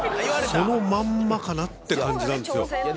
そのまんまかなって感じなんですよ。